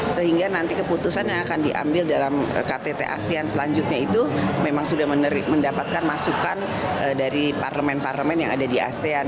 sehingga nanti keputusan yang akan diambil dalam ktt asean selanjutnya itu memang sudah mendapatkan masukan dari parlemen parlemen yang ada di asean